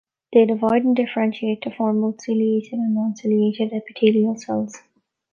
They divide and differentiate to form both ciliated and non-ciliated epithelial cells.